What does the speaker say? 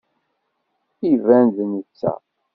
Iban d netta.